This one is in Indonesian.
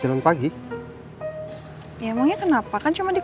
dong rupanya lieutenant everybody